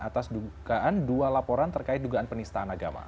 atas dugaan dua laporan terkait dugaan penistaan agama